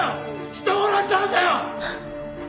人殺しなんだよ！